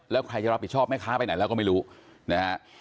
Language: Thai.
แล้วใครจะรับผิดชอบแม่ค้าไปไหนแล้วก็ไม่รู้นะฮะ